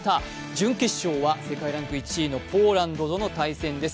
準決勝は世界ランク１位のポーランドとの対戦です。